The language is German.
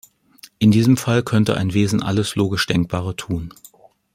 In diesem Fall könnte ein Wesen alles logisch Denkbare tun.